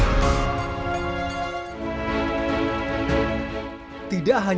jadi kita bisa menggunakan perusahaan ini